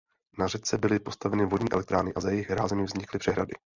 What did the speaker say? Na řece byly postaveny vodní elektrárny a za jejich hrázemi vznikly přehrady.